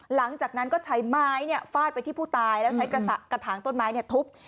หลังจากนั้นก็ใช้ไม้ฟาดไปที่ผู้ตายแล้วใช้กระถางต้นไม้ทุบ